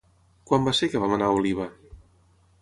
Quan va ser que vam anar a Oliva?